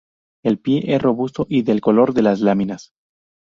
El pie es robusto y del color de las láminas.